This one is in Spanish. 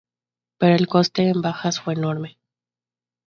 Pero el coste en bajas fue enorme.